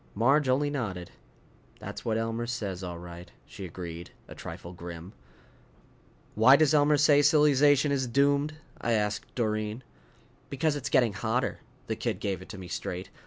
Marge only nodded. "That's what Elmer says, all right," she agreed, a trifle grim. "Why does Elmer say silly zation is doomed?" I asked Doreen. "Because it's getting hotter." The kid gave it to me straight.